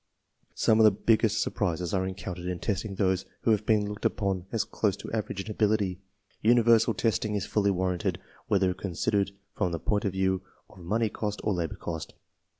Some of the biggest surprises are encountered in testing those who have been looked upon as close to average in ability. Universal testing is fully warranted, whether considered from the point of view of money cost or labor cost.